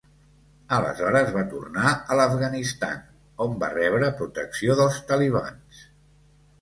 Aleshores va tornar a l'Afganistan, on va rebre protecció dels talibans.